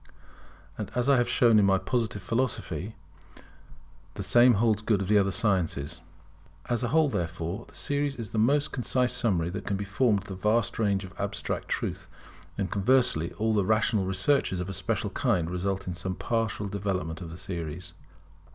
And I have shown in my Positive Philosophy that the same holds good of the other sciences. As a whole, therefore, the series is the most concise summary that can be formed of the vast range of Abstract truth; and conversely, all rational researches of a special kind result in some partial development of this series.